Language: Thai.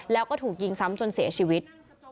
แล้วก็ถูกยิงซ้ำจนเสียชีวิต